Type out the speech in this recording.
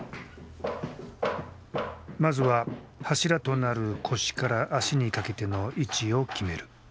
まずは柱となる腰から足にかけての位置を決める。